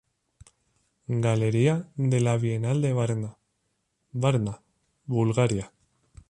Galería de la Bienal de Varna, Varna, Bulgaria.